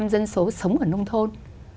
sáu mươi năm dân số sống ở nông thôn